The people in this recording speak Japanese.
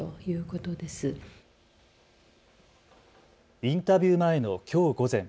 インタビュー前のきょう午前。